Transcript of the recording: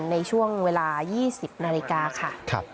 ในช่วงเวลา๒๐นาฬิกาค่ะ